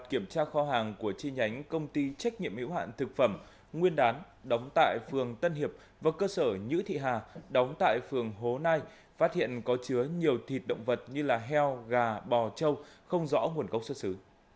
kiểm tra kho hàng của chi nhánh công ty trách nhiệm hữu hạn thực phẩm nguyên đán đóng tại phường tân hiệp và cơ sở nhữ thị hà đóng tại phường hố nai phát hiện có chứa nhiều thịt động vật như heo gà bò châu không rõ nguồn gốc xuất xứ